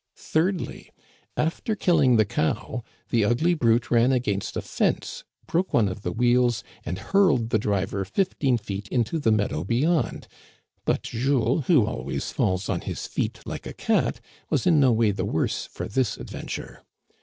Thirdly, after killing the cow, the ugly brute ran against a fence, broke one of the wheels, and hurled the driver fifteen feet into the meadow be yond ; but Jules, who always falls on his feet, like a cat, was in no way the worse for this adventure.